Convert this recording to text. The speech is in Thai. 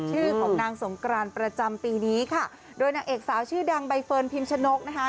ชื่อของนางสงกรานประจำปีนี้ค่ะโดยนางเอกสาวชื่อดังใบเฟิร์นพิมชนกนะคะ